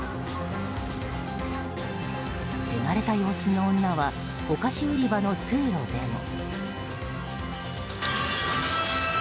手慣れた様子の女はお菓子売り場の通路でも。